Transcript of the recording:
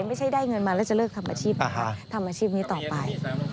ไม่ใช่ได้เงินมาแล้วจะเลิกทำอาชีพนี้ต่อไป